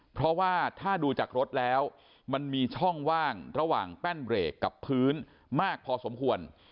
เพราะว่าถ้าดูจากรถแล้วมันมีช่องว่างระหว่างแป้นเบรกกับพื้นมากพอสมควร